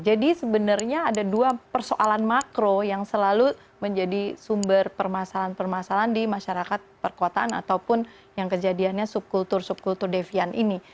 jadi sebenarnya ada dua persoalan makro yang selalu menjadi sumber permasalahan permasalahan di masyarakat perkotaan ataupun yang kejadiannya subkultur subkultur deviant ini